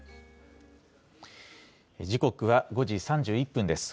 時刻は５時３１分です。